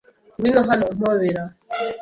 Ngwino hano, umpobera.